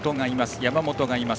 山本がいます。